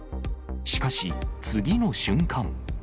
しかし、次の瞬間。